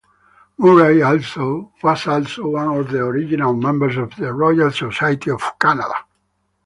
Murray was also one of the original members of the Royal Society of Canada.